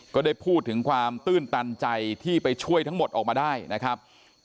ก็ได้พูดถึงความตื้นตันใจที่ไปช่วยทั้งหมดออกมาได้นะครับ